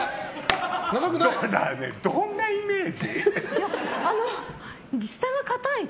どんなイメージ？